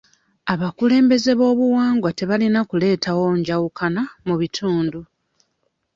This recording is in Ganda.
Abakulembeeze b'obuwangwa tebalina kuleetawo njawukana mu bitundu.